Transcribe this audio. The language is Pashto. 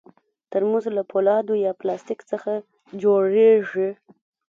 ترموز له فولادو یا پلاستیک څخه جوړېږي.